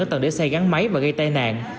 ở tầng để xây gắn máy và gây tai nạn